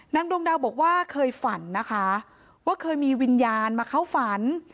ดวงดาวบอกว่าเคยฝันนะคะว่าเคยมีวิญญาณมาเข้าฝัน